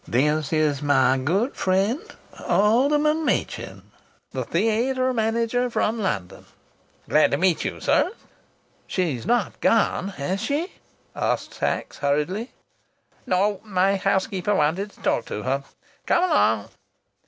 "This is my good friend, Alderman Machin, the theatre manager from London." "Glad to meet you, sir." "She's not gone, has she?" asked Sachs, hurriedly. "No, my housekeeper wanted to talk to her. Come along."